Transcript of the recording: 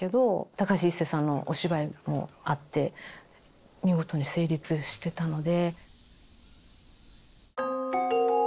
高橋一生さんのお芝居もあって見事に成立してたので。